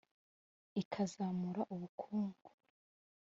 ikazamura ubukungu